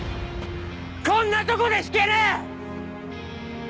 こんなとこで引けねえ！